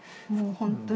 本当に。